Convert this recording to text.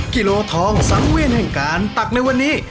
กิโลทองสังเวียนแห่งการตักในวันนี้